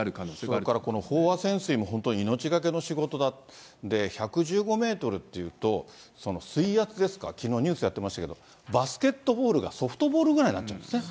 それからこの飽和潜水も、命懸けの仕事だと、１１５メートルっていうと、水圧ですか、きのうニュースでやってましたけど、バスケットボールがソフトボールぐらいになっちゃうんですね。